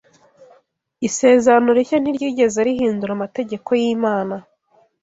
Isezerano Rishya ntiryigeze rihindura amategeko y’Imana